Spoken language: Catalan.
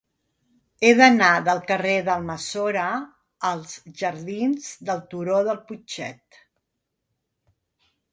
He d'anar del carrer d'Almassora als jardins del Turó del Putxet.